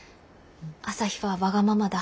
「朝陽はわがままだ。